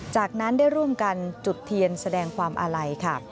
จากนั้นได้ร่วมกันจุดเทียนแสดงความอาลัยค่ะ